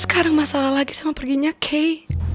sekarang masalah lagi sama perginya kay